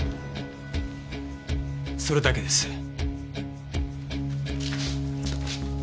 それだけです。